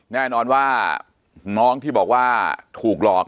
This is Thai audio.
แน่นอนว่าน้องที่บอกว่าถูกหลอก